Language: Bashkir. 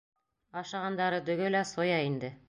— Ашағандары дөгө лә соя инде.